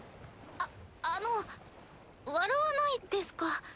ああの笑わないですか？